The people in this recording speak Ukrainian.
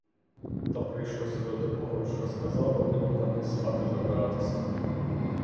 Та прийшлося до такого, шо сказали мені пани з хати забиратися.